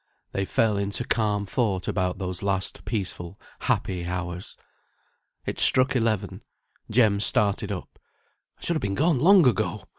They fell into calm thought about those last peaceful happy hours. It struck eleven. Jem started up. "I should have been gone long ago.